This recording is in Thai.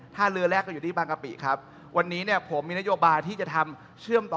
ท่าเรือแรกก็อยู่ที่บางกะปิครับวันนี้เนี่ยผมมีนโยบายที่จะทำเชื่อมต่อ